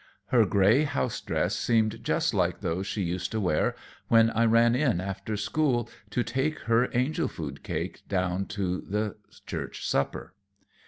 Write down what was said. Her gray house dress seemed just like those she used to wear when I ran in after school to take her angel food cake down to the church supper.